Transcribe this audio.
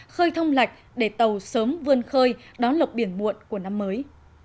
khơi thông lạch để tàu sớm vươn khơi đón lục biển muộn của năm mới